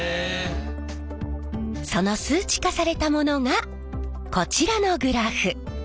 その数値化されたものがこちらのグラフ。